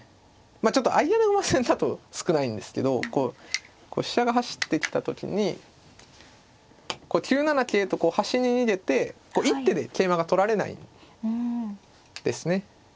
ちょっと相穴熊戦だと少ないんですけどこう飛車が走ってきた時に９七桂とこう端に逃げて一手で桂馬が取られないんですね。